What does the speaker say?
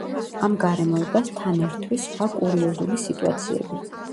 ამ გარემოებას თან ერთვის სხვა კურიოზული სიტუაციები.